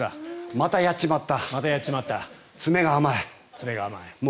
またやっちまった。